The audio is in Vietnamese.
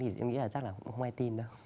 thì em nghĩ là chắc là không ai tin đâu